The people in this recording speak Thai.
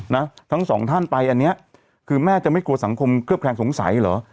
นะทั้งสองท่านไปอันเนี้ยคือแม่จะไม่กลัวสังคมเคลือบแคลงสงสัยเหรอ